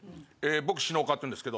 僕篠岡っていうんですけど。